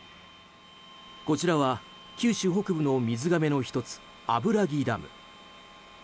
こちらは九州北部の水がめの１つ油木ダム。